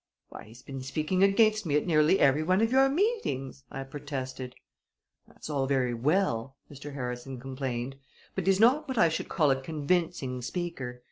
"Why, he's been speaking against me at nearly every one of your meetings!" I protested. "That's all very well," Mr. Harrison complained; "but he's not what I should call a convincing speaker.